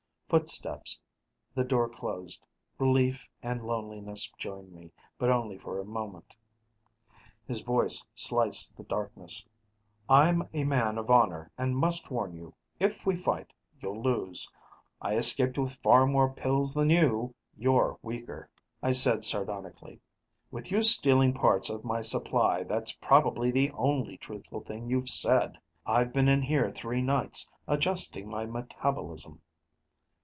Footsteps: the door closed; relief and loneliness joined me, but only for a moment. His voice sliced the darkness: "I'm a man of honor, and must warn you. If we fight, you'll lose. I escaped with far more pills than you; you're weaker." I said sardonically, "With you stealing parts of my supply, that's probably the only truthful thing you've said!" "I've been in here three nights, adjusting my metabolism